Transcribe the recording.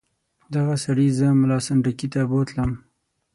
دغه سړي زه ملا سنډکي ته بوتلم.